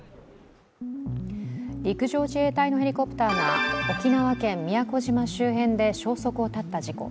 陸上自衛隊のヘリコプターが沖縄県の宮古島周辺で消息を絶った事故。